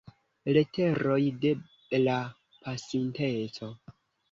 Leteroj de la Pasinteco.